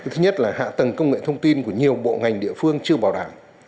thứ nhất là hạ tầng công nghệ thông tin của nhiều bộ ngành địa phương chưa bảo đảm